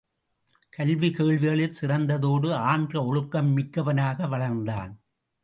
கல்வி கேள்விகளில் சிறந்ததோடு ஆன்ற ஒழுக்கம் மிக்கவனாக வளர்ந்தான்.